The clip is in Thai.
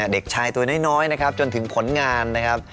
เด็กชายตัวน้อยนะครับจนถึงผลงานนะครับ